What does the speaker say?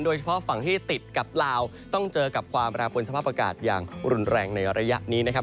เฉพาะฝั่งที่ติดกับลาวต้องเจอกับความแปรปวนสภาพอากาศอย่างรุนแรงในระยะนี้นะครับ